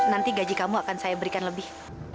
nanti gaji kamu akan saya berikan lebih